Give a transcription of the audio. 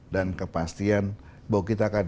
dan kepastian bahwa kita akan